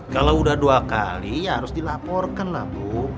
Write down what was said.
kalau udah dua kali ya harus dilaporkan lah bu